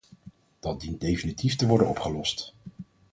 Dat dient definitief te worden opgelost.